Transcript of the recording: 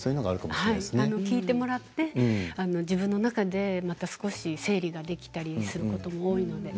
聞いてもらって自分の中で少し整理ができたりすると思うので。